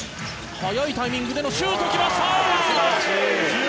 早いタイミングでのシュート来ました！